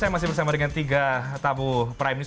saya masih bersama dengan tiga tabu prime news